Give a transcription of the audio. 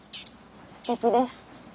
すてきです。